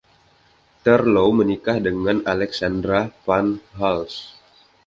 Terlouw menikah dengan Alexandra van Hulst.